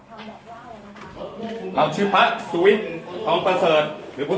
ตำรวจแห่งมือ